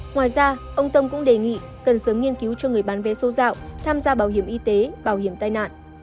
ngoài ra ông tâm cũng đề nghị cần sớm nghiên cứu cho người bán vé số dạo tham gia bảo hiểm y tế bảo hiểm tai nạn